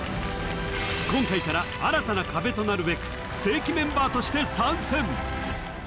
今回から新たな壁となるべく正規メンバーとして参戦